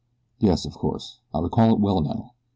"Yes, of course. I recall it well now.